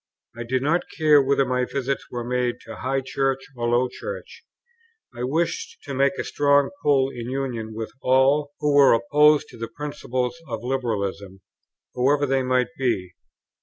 I did not care whether my visits were made to high Church or low Church; I wished to make a strong pull in union with all who were opposed to the principles of liberalism, whoever they might be.